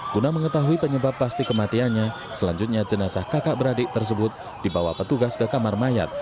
guna mengetahui penyebab pasti kematiannya selanjutnya jenazah kakak beradik tersebut dibawa petugas ke kamar mayat